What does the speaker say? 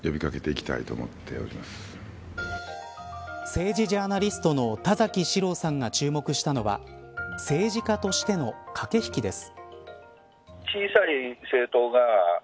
政治ジャーナリストの田崎史郎さんが注目したのは政治家としての駆け引きです。